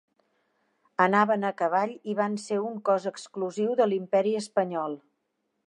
Anaven a cavall i van ser un cos exclusiu de l'imperi espanyol.